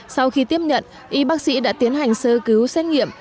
sau khi tiếp nhận y bác sĩ đã tiến hành sơ cứu xét nghiệm